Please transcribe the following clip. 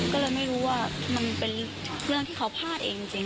ก็เลยไม่รู้ว่ามันเป็นเรื่องที่เขาพลาดเองจริง